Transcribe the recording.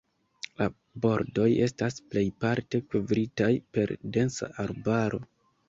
La bordoj estas plejparte kovritaj per densa arbaro.